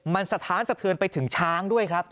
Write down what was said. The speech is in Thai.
มันสะท้านสะเทือนไปถึงช้างด้วยครับ